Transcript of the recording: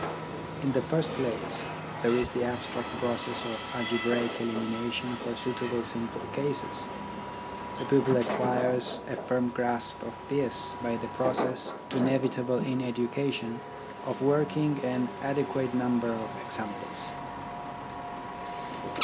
In the first place, there is the abstract process of algebraic elimination for suitable simple cases. The pupil acquires a firm grasp of this by the process, inevitable in education, of working an adequate number of examples.